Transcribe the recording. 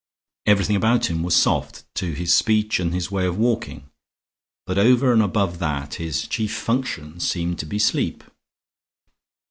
Everything about him was soft, to his speech and his way of walking; but over and above that his chief function seemed to be sleep.